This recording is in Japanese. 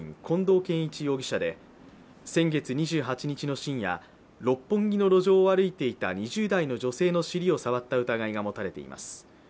近藤健一容疑者で、先月２８日の深夜六本木の路上を歩いていた２０代の女性の尻を触った疑いが持たれています。